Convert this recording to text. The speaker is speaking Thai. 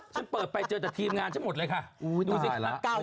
เก่าชื่อมาสิค่ะ